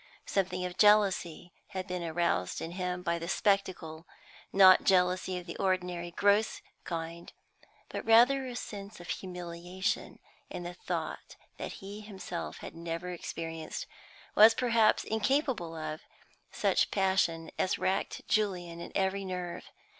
Something of jealousy had been aroused in him by the spectacle; not jealousy of the ordinary gross kind, but rather a sense of humiliation in the thought that he himself had never experienced, was perhaps incapable of, such passion as racked Julian in every nerve.